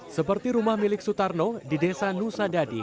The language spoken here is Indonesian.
seperti rumah milik sutarno di desa nusa dadi